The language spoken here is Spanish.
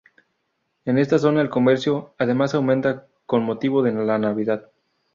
En esta zona el comercio, además, aumenta con motivo de la Navidad.